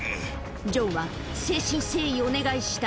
ジョンは誠心誠意、お願いした。